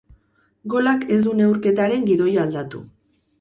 Golak ez du neurketaren gidoia aldatu.